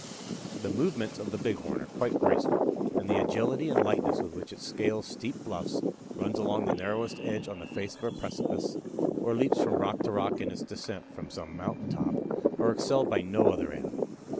The movements of the Bighorn are quite graceful, and the agility and lightness with which it scales steep bluffs, runs along the narrowest edge on the face of a precipice, or leaps from rock to rock in its descent from some mountain top, are excelled by no other animal.